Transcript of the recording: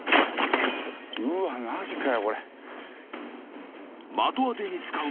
うわっマジかよこれ。